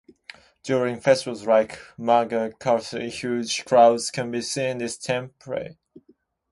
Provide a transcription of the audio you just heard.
During festivals like the Magha Chaturthi huge crowds can be seen in this temple.